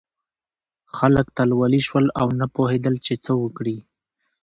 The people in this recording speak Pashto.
خلک تلولي شول او نه پوهېدل چې څه وکړي.